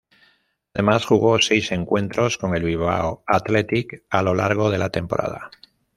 Además, jugó seis encuentros con el Bilbao Athletic a lo largo de la temporada.